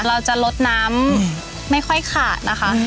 เราจะลดน้ำไม่ค่อยขาดนะคะ